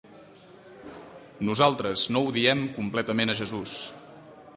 Nosaltres no odiem completament a Jesús.